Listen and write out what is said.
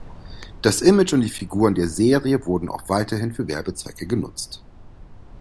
Das Image und die Figuren der Serie wurden auch weiterhin für Werbezwecke genutzt.